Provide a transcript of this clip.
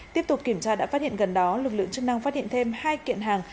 tiếp tục kiểm tra đã phát hiện gần đó lực lượng chức năng phát hiện thêm hai kiện hàng